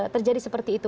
terjadi seperti itu